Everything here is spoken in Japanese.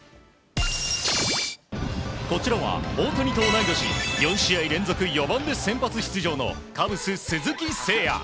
こちらは大谷と同い年４試合連続４番で先発出場のカブス、鈴木誠也。